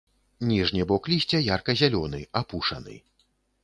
Ніжні бок лісця ярка-зялёны, апушаны.